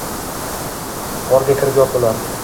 G’orga kirib yotdilar.